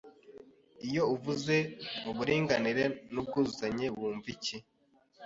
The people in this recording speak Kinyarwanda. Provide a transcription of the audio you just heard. Iyo avuze uburinganire n’ubwuzuzanye wumva iki